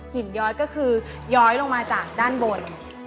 ย้อยก็คือย้อยลงมาจากด้านบน